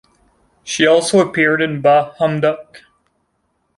She also appeared in Bah, Humduck!